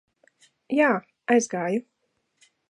Jā, aizgāju.